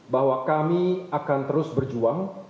bahwa kami akan terus berjuang